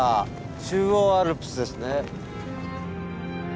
中央アルプスですね。